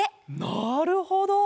なるほど！